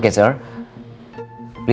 apa yang kamu mau lakukan